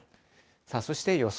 そして予想